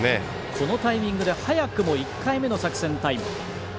このタイミングで早くも１回目の作戦タイム。